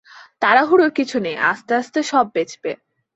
তাড়াহুড়ো কিছু নেই, আস্তে আস্তে সব বেচবে।